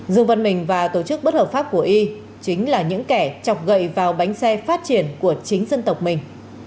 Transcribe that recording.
dương văn mình và tổ chức bất hợp pháp của y chính là những kẻ chọc gậy vào bánh xe phát triển của chính dân tộc mình